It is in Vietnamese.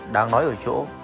đáng nói ở chỗ